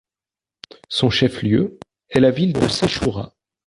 Son chef-lieu est la ville de Sechura.